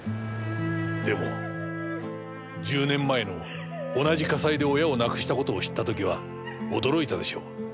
でも１０年前の同じ火災で親を亡くした事を知った時は驚いたでしょう。